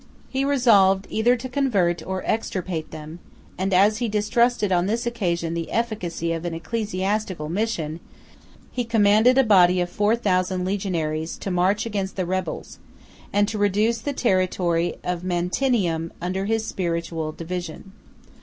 He resolved either to convert or to extirpate them; and as he distrusted, on this occasion, the efficacy of an ecclesiastical mission, he commanded a body of four thousand legionaries to march against the rebels, and to reduce the territory of Mantinium under his spiritual dominion.